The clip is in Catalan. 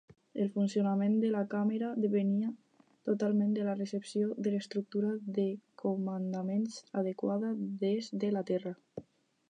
El funcionament de la càmera depenia totalment de la recepció de l'estructura de comandaments adequada des de la Terra.